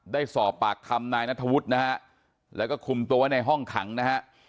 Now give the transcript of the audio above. ได้สอบปากคำนายนัทธวุฒินะฮะแล้วก็คุมตัวไว้ในห้องขังนะฮะ